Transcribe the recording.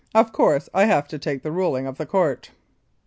Of course, I have to take the ruling of the Court.